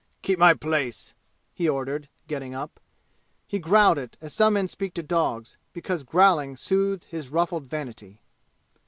"Keep my place!" he ordered, getting up. He growled it, as some men speak to dogs, because growling soothed his ruffled vanity.